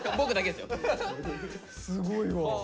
すごいわ。